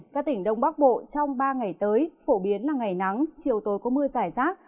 các tỉnh đông bắc bộ trong ba ngày tới phổ biến là ngày nắng chiều tối có mưa rải rác